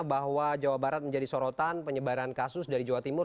bahwa jawa barat menjadi sorotan penyebaran kasus dari jawa timur